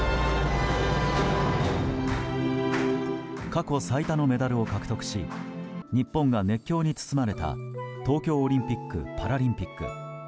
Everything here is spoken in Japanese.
過去最多のメダルを獲得し日本が熱狂に包まれた東京オリンピック・パラリンピック。